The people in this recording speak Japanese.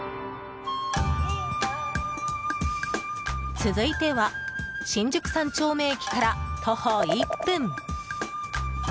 続いては、新宿三丁目駅から徒歩１分。